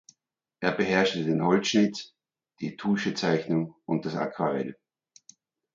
Er beherrschte den Holzschnitt, die Tuschezeichnung und das Aquarell.